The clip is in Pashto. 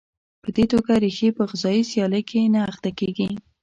په دې توګه ریښې په غذایي سیالۍ کې نه اخته کېږي.